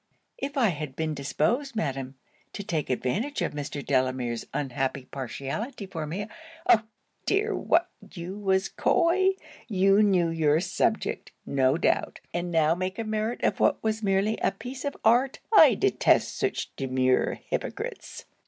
'If I had been disposed, Madam, to take advantage of Mr. Delamere's unhappy partiality for me ' 'Oh dear! What you was coy? You knew your subject, no doubt, and now make a merit of what was merely a piece of art. I detest such demure hypocrites!